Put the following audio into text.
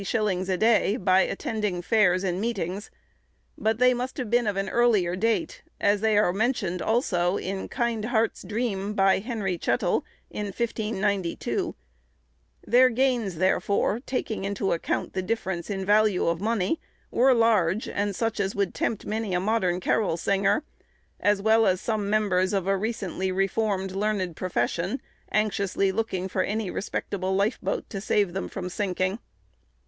_ a day, by attending fairs and meetings; but they must have been of earlier date, as they are mentioned also in 'Kind Hart's Dreame,' by Henry Chettle, in 1592; their gains, therefore, taking into account the difference of value in money, were large, and such as would tempt many a modern carol singer, as well as some members of a recently reformed learned profession, anxiously looking for any respectable life boat to save them from sinking.